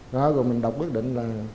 rồi mình đọc quyết định là